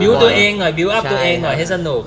ตัวเองหน่อยบิวตอัพตัวเองหน่อยให้สนุก